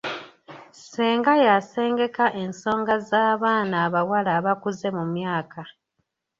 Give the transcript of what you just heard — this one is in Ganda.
Ssenga y'asengeka ensonga z'abaana abawala abakuze mu myaka.